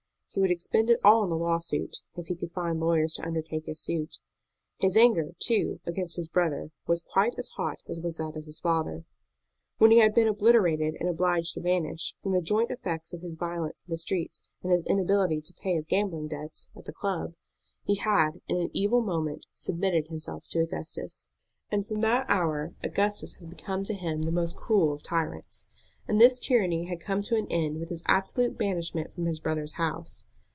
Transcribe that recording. He would expend it all on the lawsuit, if he could find lawyers to undertake his suit. His anger, too, against his brother was quite as hot as was that of his father. When he had been obliterated and obliged to vanish, from the joint effects of his violence in the streets and his inability to pay his gambling debts at the club, he had, in an evil moment, submitted himself to Augustus; and from that hour Augustus had become to him the most cruel of tyrants. And this tyranny had come to an end with his absolute banishment from his brother's house.